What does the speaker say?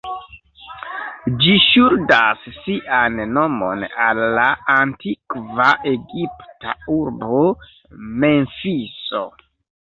Ĝi ŝuldas sian nomon al la antikva egipta urbo Memfiso.